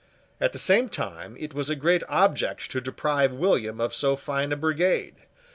At the same time, it was a great object to deprive William of so fine a brigade.